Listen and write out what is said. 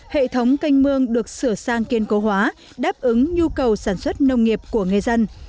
hệ thống canh mương được sửa sang kiên cố hóa đáp ứng nhu cầu sản xuất nông nghiệp của người dân